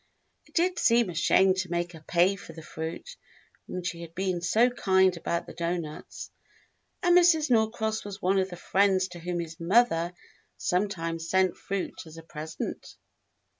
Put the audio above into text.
It did seem a shame to make her pay for the fruit when she had been so kind about the doughnuts, and Mrs. Norcross was one of the friends to whom his mother sometimes sent fruit as a present.